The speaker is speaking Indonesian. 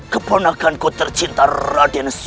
kebenakanku tercinta raden suriwisesa